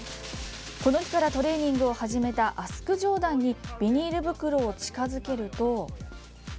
この日からトレーニングを始めたアスクジョーダンにビニール袋を近づけると。